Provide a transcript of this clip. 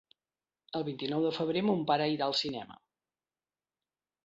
El vint-i-nou de febrer mon pare irà al cinema.